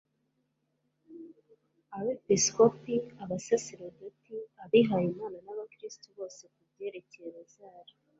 abepiskopi, abasaserdoti, abihayimana n'abakristu bose ku byerekeye rozari